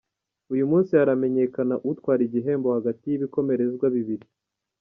Uyu munsi haramenyekana utwara igihembo hagati yibikomerezwa bibiri